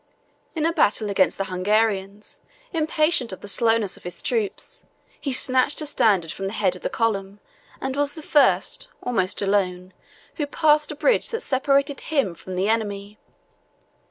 In a battle against the Hungarians, impatient of the slowness of his troops, he snatched a standard from the head of the column, and was the first, almost alone, who passed a bridge that separated him from the enemy.